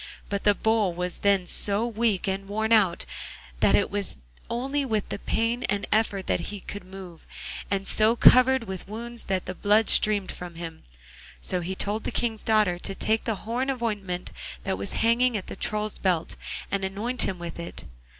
But the Bull was then so weak and worn out that it was only with pain and effort that he could move, and so covered with wounds that the blood streamed from him. So he told the King's daughter to take the horn of ointment that was hanging at the Troll's belt, and anoint him with it.